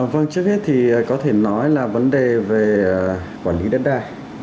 vâng trước hết thì có thể nói là vấn đề về quản lý đất đai